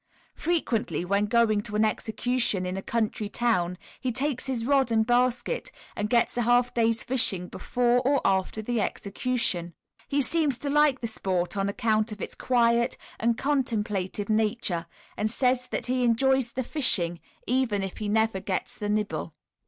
Frequently when going to an execution in a country town he takes his rod and basket, and gets a half day's fishing before or after the execution. He seems to like the sport on account of its quiet and contemplative nature, and says that he enjoys the fishing even if he never gets a nibble.